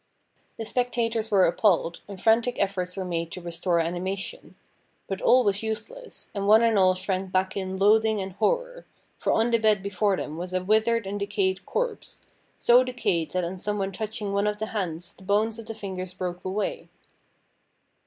The spectators were appalled, and frantic efforts were made to restore anima tion. But all was useless, and one and all shrank back in loathing and horror, for on the bed before them was a withered and decayed corpse, so decayed that on someone touching one of the hands the bones of the fingers broke away.